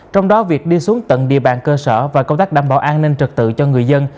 trong đó việc đi xuống tận địa bàn cơ sở và công tác đảm bảo an ninh trật tự cho người dân